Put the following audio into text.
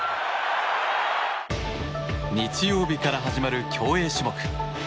日曜日から始まる競泳種目。